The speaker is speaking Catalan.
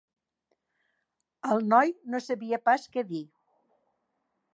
El noi no sabia pas què dir.